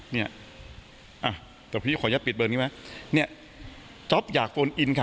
เนี่ยอ่ะแต่พี่ขออนุญาตปิดเบอร์นี้ไหมเนี่ยจ๊อปอยากโฟนอินค่ะ